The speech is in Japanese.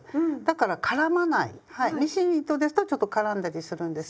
はいミシン糸ですとちょっと絡んだりするんですけど。